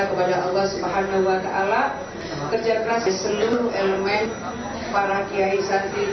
kepada allah swt kerja keras di seluruh elemen para kiai santri